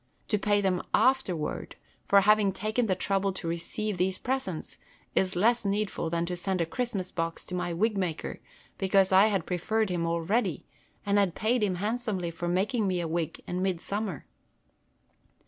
To pay them afterward for having taken the trouble to receive these presents, is less needful than to send a Christmas box to my wig maker, because I had preferred him already, and had paid him handsomely for making me a wig in raid summer.